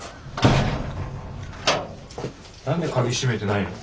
何で鍵しめてないの？